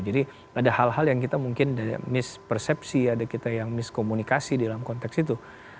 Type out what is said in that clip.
jadi ada hal hal yang kita mungkin mispersepsi ada kita yang miskomunikasi dalam konteks itu